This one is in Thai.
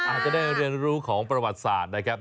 อาจจะได้เรียนรู้ของประวัติศาสตร์นะครับ